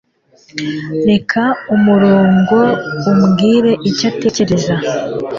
Reka umurongo umbwire icyo utekereza.